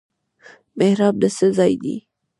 محراب د څه ځای دی؟